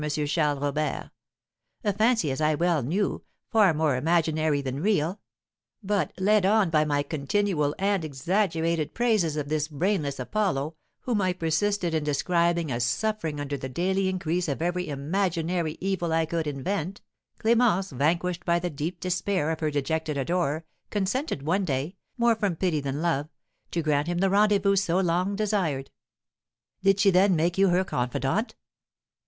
Charles Robert, a fancy, as I well knew, far more imaginary than real; but, led on by my continual and exaggerated praises of this brainless Apollo, whom I persisted in describing as suffering under the daily increase of every imaginary evil I could invent, Clémence, vanquished by the deep despair of her dejected adorer, consented one day, more from pity than love, to grant him the rendezvous so long desired." "Did she, then, make you her confidant?"